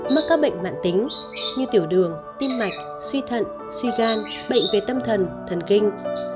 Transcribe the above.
mắc các bệnh mạng tính như tiểu đường tim mạch suy thận suy gan bệnh về tâm thần thần kinh